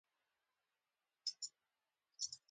زما پلار استاد ده